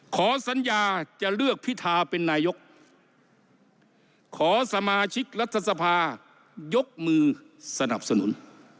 ขอสัญญาจะเลือกพิธาเป็นนายกขอสมาชิกรัฐสภายกมือสนับสนุน